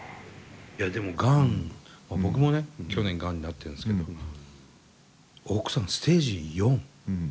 いやでもがんは僕もね去年がんになってるんですけど奥さんステージ４。